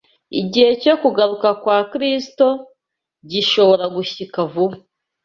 igihe cyo kugaruka kwa Kristo gishobora gushyika vuba